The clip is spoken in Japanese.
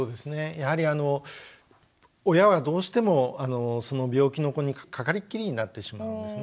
やはりあの親はどうしてもその病気の子にかかりっきりになってしまうんですね。